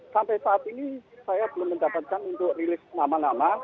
sampai saat ini saya belum mendapatkan untuk rilis nama nama